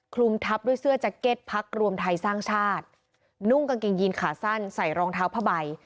คลุมทับด้วยเสื้อแจ็คเก็ตพักรวมไทยสร้างชาตินุ่งกางเกงยีนขาสั้นใส่รองเท้าผ้าใบ